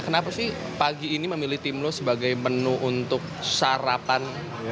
kenapa sih pagi ini memilih timus sebagai menu untuk sarapan